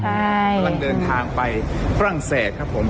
กำลังเดินทางไปฝรั่งเศสครับผม